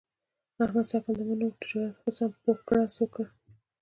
احمد ته سږ کال د مڼو تجارت ښه سم پوخ ګړز ورکړ.